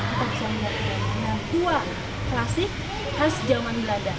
kita bisa melihat ini dengan tua klasik khas jaman belanda